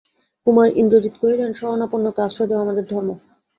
কুমার ইন্দ্রজিৎ কহিলেন, শরণাপন্নকে আশ্রয় দেওয়া আমাদের ধর্ম।